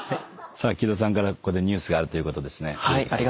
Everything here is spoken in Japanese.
さあ木戸さんからここでニュースがあるということですね。